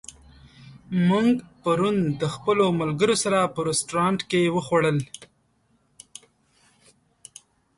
موږ پرون د خپلو ملګرو سره په رستورانت کې وخوړل.